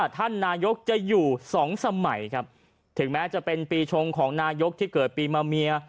ท่านนายกจะอยู่สองสมัยครับถึงแม้จะเป็นปีชงของนายกที่เกิดปีมาเมีย